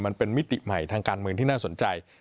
มิติใหม่ทางการเมืองที่น่าสนใจ